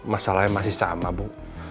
masalahnya masih sama bu